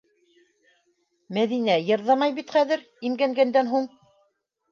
Мәҙинә йырҙамай бит хәҙер... имгәнгәндән һуң...